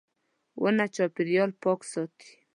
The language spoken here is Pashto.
• ونه چاپېریال پاک ساتي.